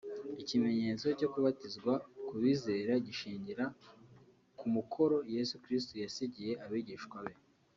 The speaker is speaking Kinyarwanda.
Ikimenyetso cyo kubatizwa ku bizera gishingira ku mukoro Yesu Kirisitu yasigiye abigishwa be